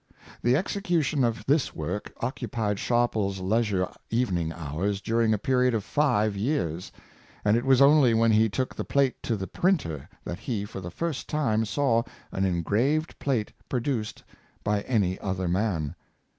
The execution of this work occupied Sharpies' leis ure evening hours during a period of five years; and it was only when he took the plate to the printer that he for the first time saw an engraved ^plate produced by any other man.